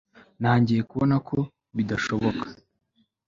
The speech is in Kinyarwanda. Ntangiye kubona ko bidashoboka